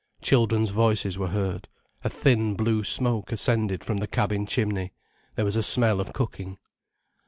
Children's voices were heard. A thin blue smoke ascended from the cabin chimney, there was a smell of cooking.